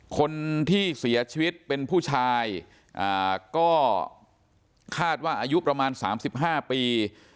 คนที่เสียชีวิตเป็นผู้ชายก็คาดว่าอายุประมาณ๓๕ปี